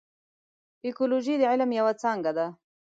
اکولوژي د علم یوه څانګه ده.